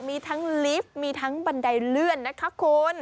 มีทั้งลิฟต์มีทั้งบันไดเลื่อนนะคะคุณ